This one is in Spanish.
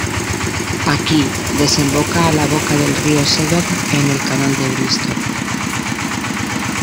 Aquí, desemboca a la boca del río Severn en el Canal de Bristol.